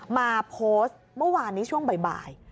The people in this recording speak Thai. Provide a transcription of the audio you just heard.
มาโพสต์เมื่อวานนี้ช่วงบ่าย